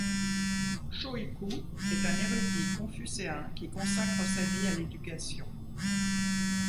Shō Iku est un érudit confucéen qui consacre sa vie à l'éducation.